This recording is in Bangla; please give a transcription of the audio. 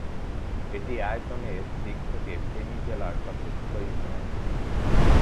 এটি আয়তনের দিক থেকে ফেনী জেলার সবচেয়ে ছোট ইউনিয়ন।